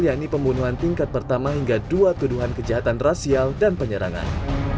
yakni pembunuhan tingkat pertama hingga dua tuduhan kejahatan rasial dan penyerangan